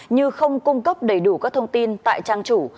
như không cung cấp đầy đủ các thông tin tại trang chủ